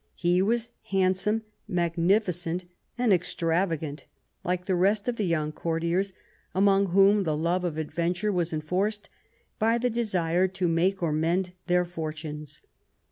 He was handsome, magnificent and extravagant, like the rest of the young courtiers, amongst whom the love of adventure was enforced by the desire to make, or mend, their fortunes.